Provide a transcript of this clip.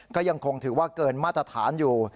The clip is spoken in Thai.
ก็ยังคงถือว่าเกินมาตรฐานอยู่